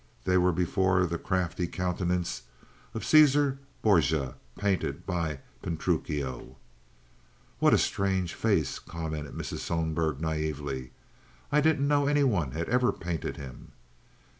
They were before the crafty countenance of Caesar Borgia painted by Pinturrichio. "What a strange face!" commented Mrs. Sohlberg, naively. "I didn't know any one had ever painted him.